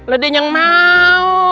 lo denyeng mau